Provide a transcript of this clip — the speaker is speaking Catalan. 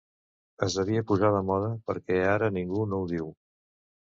Es devia posar de moda, perquè ara ningú no ho diu.